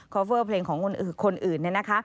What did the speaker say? คอเฟอร์เพลงของคนอื่น